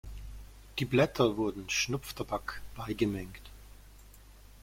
Die Blätter wurden Schnupftabak beigemengt.